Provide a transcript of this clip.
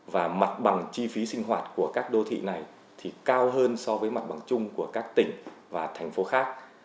và mặt bằng chi phí sinh hoạt của các đô thị này thì cao hơn so với mặt bằng chung của các tỉnh và thành phố khác